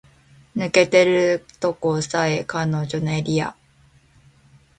抜けてるとこさえ彼女のエリア